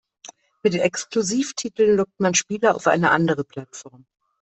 Mit Exklusivtiteln lockt man Spieler auf eine andere Plattform.